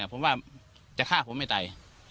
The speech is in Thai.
ผมว่าจะฆ่าผมให้ตาย